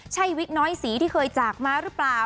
ใช่วิกน้อยสีที่เคยจากมาหรือเปล่า